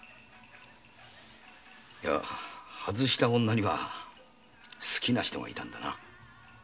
外した女には好きな人がいたんだな。